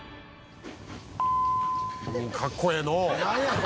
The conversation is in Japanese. かっこええのう。